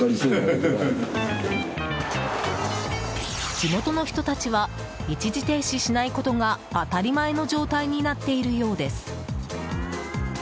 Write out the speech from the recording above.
地元の人たちは一時停止しないことが当たり前の状態になっているようです。